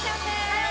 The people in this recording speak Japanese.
はい！